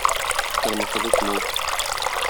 Тормышыбыз мул.